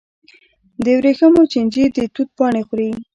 د ورېښمو چینجي د توت پاڼې خوري.